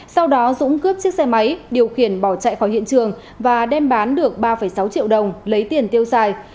sau đó dũng cướp chiếc xe máy điều khiển bỏ chạy khỏi hiện trường và đem bán được ba sáu triệu đồng lấy tiền tiêu xài